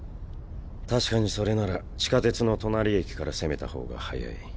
確かにそれなら地下鉄の隣駅から攻めた方が早い。